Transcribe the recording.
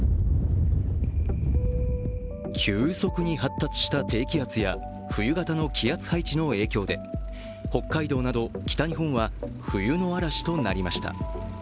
急速に発達した低気圧や冬型の気圧配置の影響で北海道など、北日本は冬の嵐となりました。